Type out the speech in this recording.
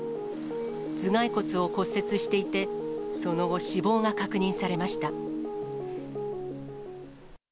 頭蓋骨を骨折していて、その後、死亡が確認されました。